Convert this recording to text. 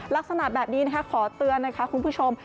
ลักษณะแบบนี้นะคะขอเตือนนะคะคุณผู้ชม